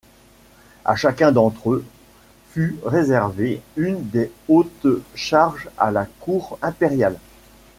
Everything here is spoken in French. À chacun d'entre eux fut réservée une des hautes charges à la cour impériale.